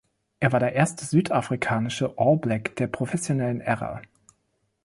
Er war der erste südafrikanische All Black der professionellen Ära.